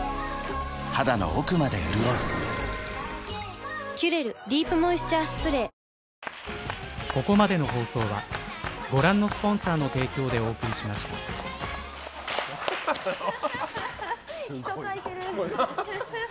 肌の奥まで潤う「キュレルディープモイスチャースプレー」「人」書いてる！